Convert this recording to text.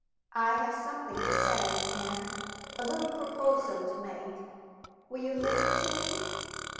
I have something to say, Anne a little proposal to make. Will you listen to me?"